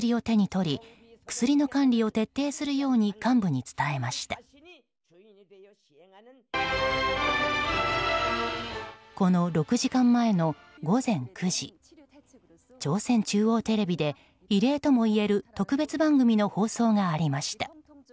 この６時間前の午前９時朝鮮中央テレビで異例ともいえる特別番組の放送がありました。